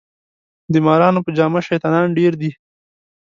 د مارانو په جامه شیطانان ډیر دي